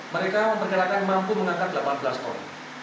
mereka memperkirakan mampu mengangkat delapan belas ton